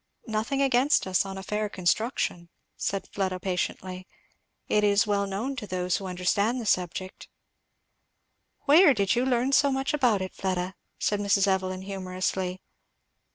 "Nothing against us, on a fair construction," said Fleda patiently. "It is well known to those who understand the subject" "Where did you learn so much about it, Fleda?" said Mrs. Evelyn humourously.